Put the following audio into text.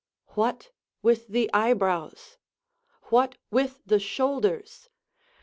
What with the eyebrows? what with the shoulders!